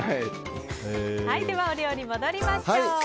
お料理戻りましょう。